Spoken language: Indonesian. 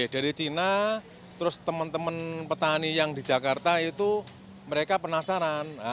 dari cina terus teman teman petani yang di jakarta itu mereka penasaran